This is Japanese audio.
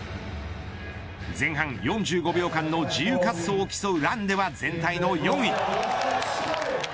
前半４５秒間の自由滑走を競うランでは全体の４位。